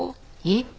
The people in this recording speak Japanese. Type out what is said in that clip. えっ！？